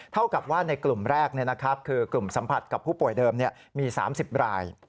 เท่ากับว่าในกลุ่มแรกคือกลุ่มสัมผัสกับผู้ป่วยเดิมมี๓๐ราย